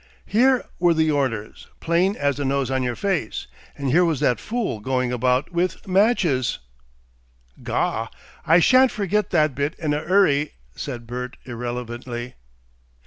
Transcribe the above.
Here were the orders, plain as the nose on your face, and here was that fool going about with matches " "Gaw! I shan't forget that bit in a 'urry," said Bert irrelevantly.